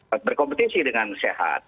dan berkompetisi dengan sehat